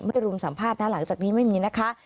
รุมสัมภาษณ์นะหลังจากนี้ไม่มีนะคะ